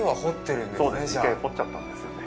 そうです、１回掘っちゃったんですよね。